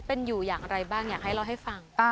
เป็นอยู่อย่างไรบ้างอยากให้เล่าให้ฟัง